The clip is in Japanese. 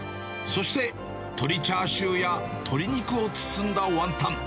そして、鶏チャーシューや鶏肉を包んだワンタン。